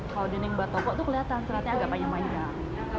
kalau dendeng batoko itu kelihatan seraknya agak panjang panjang